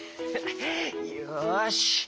よし。